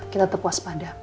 kita tetap puas pada